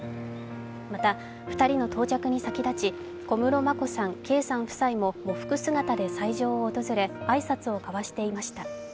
また、２人の到着に先立ち、小室眞子さん、圭さん夫妻も喪服姿で斎場を訪れ、挨拶を交わされていました。